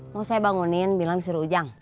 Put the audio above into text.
mau saya bangunin bilang suruh ujang